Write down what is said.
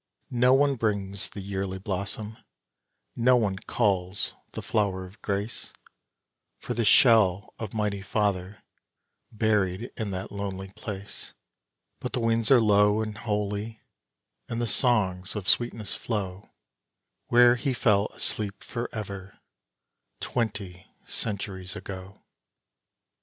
No one brings the yearly blossom no one culls the flower of grace, For the shell of mighty father buried in that lonely place; But the winds are low and holy, and the songs of sweetness flow, Where he fell asleep for ever, twenty centuries ago.